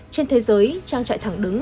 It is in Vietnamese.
trên thế giới trang trại thẳng đứng